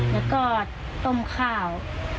แล้วก็ต้มข้าว